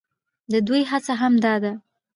د دوى هڅه هم دا ده،